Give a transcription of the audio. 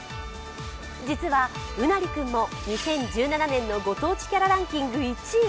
じつは、うなりくんも２０１７年のご当地キャラランキング１位。